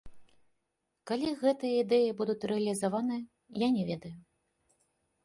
Калі гэтыя ідэі будуць рэалізаваныя, я не ведаю.